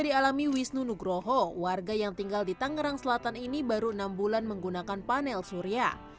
dialami wisnu nugroho warga yang tinggal di tangerang selatan ini baru enam bulan menggunakan panel surya